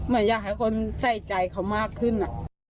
อยากให้คนใส่ใจเขามากขึ้น